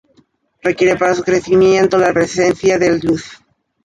Requiere para su crecimiento la presencia de luz.